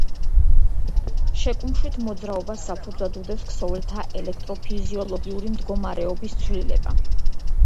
შეკუმშვით მოძრაობას საფუძვლად უდევს ქსოვილთა ელექტროფიზიოლოგიური მდგომარეობის ცვლილება.